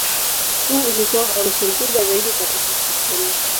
Huu ulikuwa uhamisho mkubwa zaidi katika historia.